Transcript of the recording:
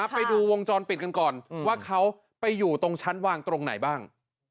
ไปดูวงจรปิดกันก่อนว่าเขาไปอยู่ตรงชั้นวางตรงไหนบ้าง